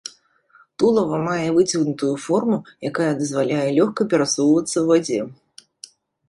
Тулава мае выцягнутую форму, якая дазваляе лёгка перасоўвацца ў вадзе.